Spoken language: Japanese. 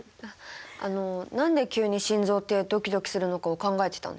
あの何で急に心臓ってドキドキするのかを考えてたんです。